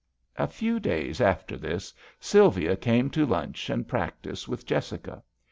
A few days after this Sylvia came to lunch and practise with Jessica.